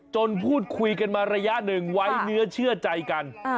พูดคุยกันมาระยะหนึ่งไว้เนื้อเชื่อใจกัน